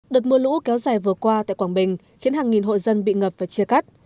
đợt mưa lũ kéo dài vừa qua tại quảng bình khiến hàng nghìn hội dân bị ngập và chia cắt